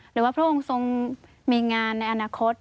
หรือว่าพระองค์ทรงมีงานในอนาคต